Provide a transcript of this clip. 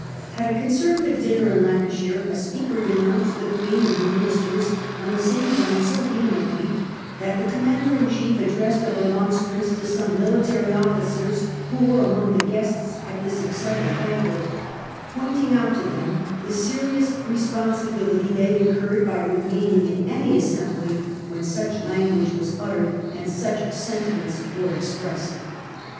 At a Conservative dinner in Lancashire, a speaker denounced the Queen and her ministers on the same ground so vehemently, that the Co mm ander in Chief addressed a remonstrance to some military officers who were among the guests at this excited banquet, pointing out to them the serious responsibility they incurred by remaining in any assembly when such language was uttered and such sentiments were expressed.